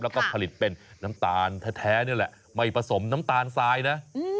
แล้วก็ผลิตเป็นน้ำตาลแท้นี่แหละไม่ผสมน้ำตาลทรายนะ